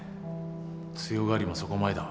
強がりもそこまでだ。